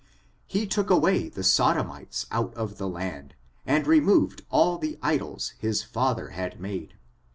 He took away the Sodomites out of the land, and removed all the idols his father had made.